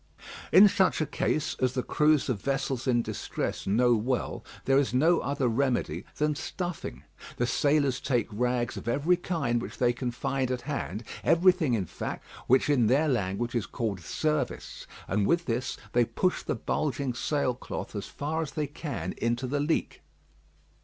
In such a case, as the crews of vessels in distress know well, there is no other remedy than stuffing. The sailors take rags of every kind which they can find at hand, everything, in fact, which in their language is called "service;" and with this they push the bulging sail cloth as far as they can into the leak.